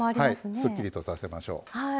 すっきりとさせましょう。